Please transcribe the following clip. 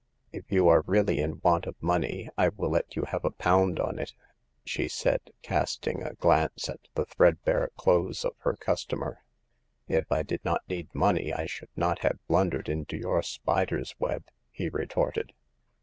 "If you are really in want of money, I will let you have a pound on it," she said, casting a glance at the threadbare clothes of her customer. '* If I did not need money, I should not have blundered into your spider's web," he retorted.